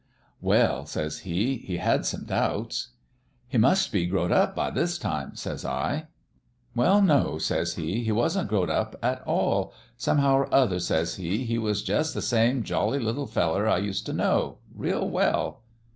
"' Well,' says he, ' he had some doubts.' "' He must be growed up by this time,' says I. "* Well, no,' says he ; 'he wasn't growed at all. Somehow or other,' says he, ' he was jus' the same jolly little feller I used t' know real well.'